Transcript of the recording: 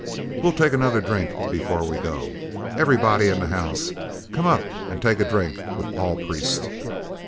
We'll take another drink before we go. Everybody in the house, come up and take a drink with Paul Priest."